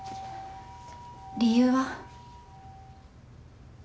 理由は？